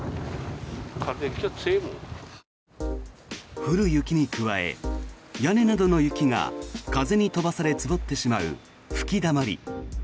降る雪に加え屋根などの雪が風に飛ばされ積もってしまう吹きだまり。